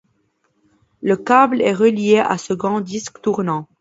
Le câble est relié à ce grand disque tournant.